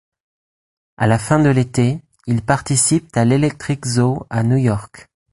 À la fin de l'été, ils participent à l'Electric Zoo à New York.